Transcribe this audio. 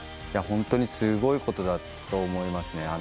本当にすごいことだと思いますね。